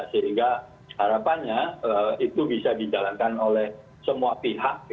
sehingga harapannya itu bisa dijalankan oleh semua pihak